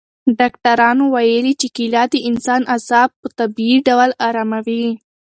ډاکټرانو ویلي چې کیله د انسان اعصاب په طبیعي ډول اراموي.